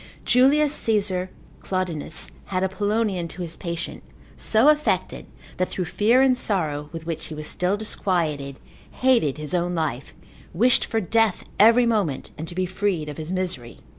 Julius Caesar Claudinus, consil. 84. had a Polonian to his patient, so affected, that through fear and sorrow, with which he was still disquieted, hated his own life, wished for death every moment, and to be freed of his misery.